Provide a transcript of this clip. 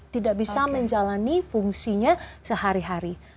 tidak bisa menjalani fungsinya sehari hari